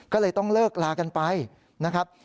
ก็เลยต้องเลิกลากันไปนะครับ